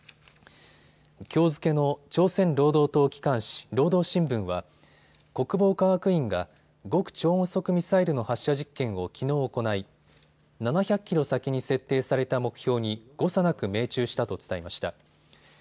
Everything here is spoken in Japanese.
きょう付けの朝鮮労働党機関紙、労働新聞は国防科学院が極超音速ミサイルの発射実験をきのう行い７００キロ先に設定された目標に誤差なく命中したと伝えました。